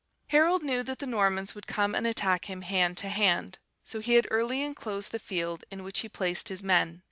"Harold knew that the Normans would come and attack him hand to hand; so he had early enclosed the field in which he placed his men.